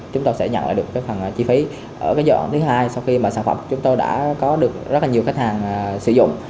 chúng tôi sẽ nhận lại được cái phần chi phí ở cái giai đoạn thứ hai sau khi mà sản phẩm của chúng tôi đã có được rất là nhiều khách hàng sử dụng